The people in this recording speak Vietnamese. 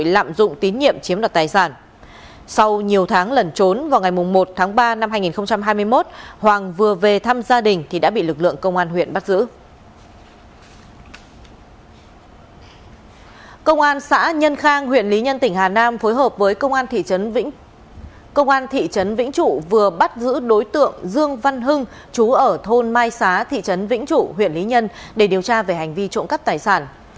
lực lượng công an thị trấn vĩnh chủ vừa bắt giữ đối tượng dương văn hưng chú ở thôn mai xá thị trấn vĩnh chủ huyện lý nhân để điều tra về hành vi trộm cắp tài sản